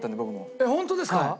えっホントですか？